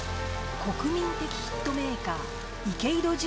国民的ヒットメーカー池井戸潤